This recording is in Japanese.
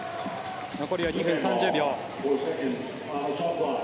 残りは２分３０秒。